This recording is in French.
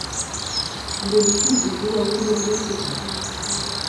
Il est le fils de João Doria Sr.